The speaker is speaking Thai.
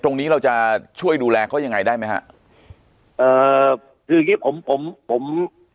ตรงนี้เราจะช่วยดูแลเขายังไงได้ไหมฮะเอ่อคืออย่างงี้ผมผม